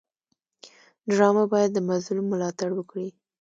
ډرامه باید د مظلوم ملاتړ وکړي